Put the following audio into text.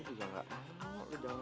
jangan berpulut buat gue lagi